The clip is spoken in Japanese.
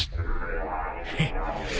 フッ。